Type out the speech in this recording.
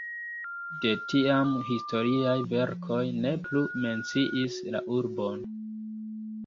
De tiam historiaj verkoj ne plu menciis la urbon.